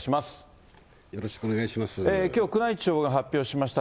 よろしくお願いします。